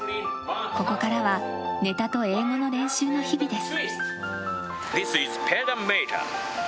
ここからはネタと英語の練習の日々です。